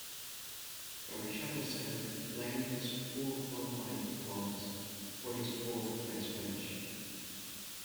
Barrichello said that he blamed his poor qualifying performance for his fourth-place finish.